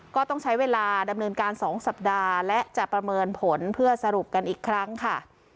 ก็ต้องใช้เวลาดำเนินการ๒สัปดาห์และจะประเมินผลเพื่อสรุปกันอีกครั้งค่ะ